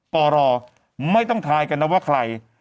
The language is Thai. ปรไม่ต้องทายกันนะว่าใคร